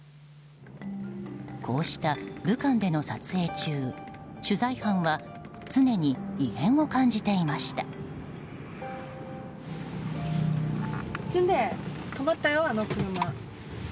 こうした武漢での撮影中取材班は常に異変を感じていました。